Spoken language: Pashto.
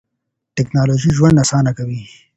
ټیکنالوژي ژوند اسانه کوي.